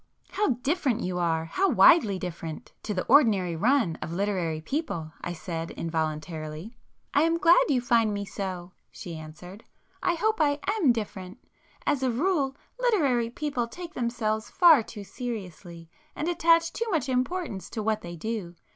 "How different you are—how widely different—to the ordinary run of literary people!" I said involuntarily. "I am glad you find me so,"—she answered—"I hope I am different. As a rule literary people take themselves far too seriously, and attach too much importance to what they do.